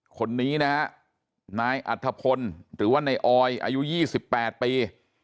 คนนี้นะฮะนายอัธพลหรือว่านายออยอายุ๒๘ปี